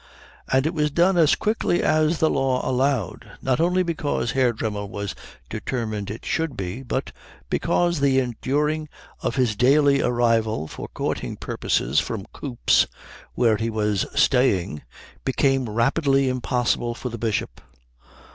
And it was done as quickly as the law allowed, not only because Herr Dremmel was determined it should be, but because the enduring of his daily arrival for courting purposes from Coops, where he was staying, became rapidly impossible for the Bishop.